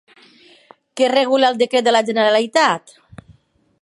Què regula el decret de la Generalitat?